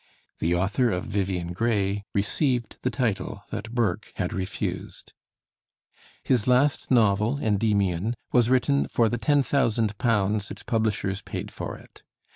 The author of 'Vivian Grey' received the title that Burke had refused. His last novel, 'Endymion,' was written for the £10,000 its publishers paid for it.